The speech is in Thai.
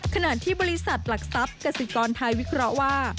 ขณะที่บริษัทหลักทรัพย์กษิกรไทยวิเคราะห์ว่า